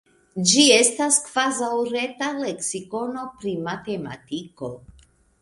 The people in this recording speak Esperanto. Ĝi estas kvazaŭ reta leksikono pri matematiko.